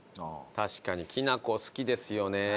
確かにきなこ好きですよね。